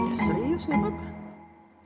ya serius gak bapak